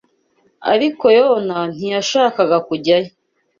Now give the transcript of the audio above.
Ariko Yona ntiyashakaga kujyayo